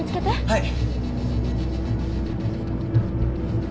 はい。